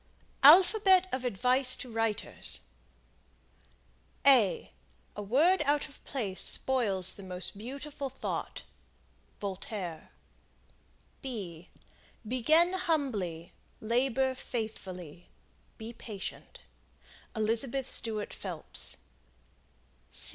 ALPHABET OF ADVICE TO WRITERS. A word out of place spoils the most beautiful thought. Voltaire. Begin humbly. Labor faithfully. Be patient. Elizabeth Stuart Phelps.